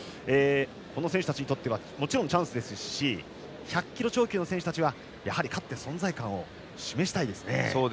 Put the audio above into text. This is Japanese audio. この選手たちにとってはもちろんチャンスですし１００キロ超級の選手たちは勝って存在感を示したいですね。